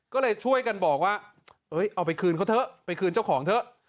ก็เลยช่วยกันบอกว่าเอาไปคืนเขาเถอะไปคืนเจ้าของเถอะ